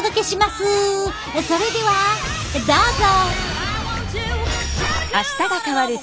それではどうぞ！